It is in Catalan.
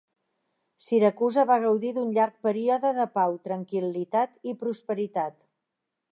Siracusa va gaudir d'un llarg període de pau, tranquil·litat i prosperitat.